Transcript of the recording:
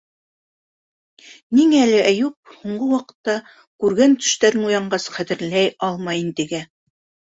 Ниңә әле Әйүп һуңғы ваҡытта күргән төштәрен уянғас хәтерләй алмай интегә?